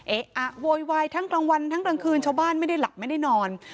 อะโวยวายทั้งกลางวันทั้งกลางคืนชาวบ้านไม่ได้หลับไม่ได้นอน